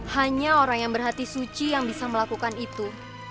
hanya orang yang berhati suci yang bisa melakukan itu